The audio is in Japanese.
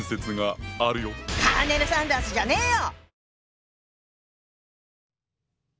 カーネル・サンダースじゃねよ！